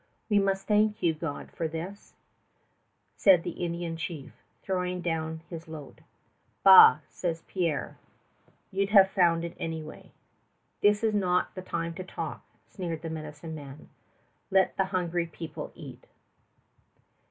"We must thank your God for this," said the Indian chief, throwing down his load. "Bah," says Pierre, "you 'd have found it anyway." "This is not the time to talk," sneered the medicine man. "Let the hungry people eat."